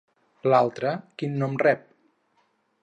L'altre quin nom rep?